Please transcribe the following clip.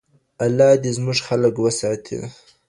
الله دې زموږ خلک وساتي.